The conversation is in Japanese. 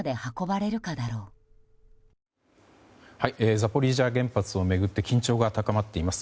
ザポリージャ原発を巡って緊張が高まっています。